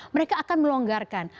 mereka akan melakukan